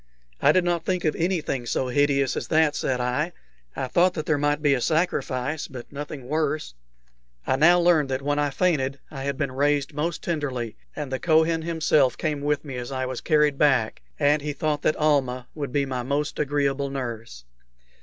"I did not think of anything so hideous as that," said I. "I thought that there might be a sacrifice, but nothing worse." I now learned that when I fainted I had been raised most tenderly, and the Kohen himself came with me as I was carried back, and he thought that Almah would be my most agreeable nurse.